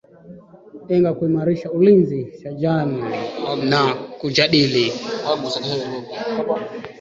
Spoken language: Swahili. enga kuimarisha ulinzi shajali na kujadili